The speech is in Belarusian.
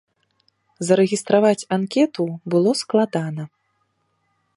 Зарэгістраваць анкету было складана.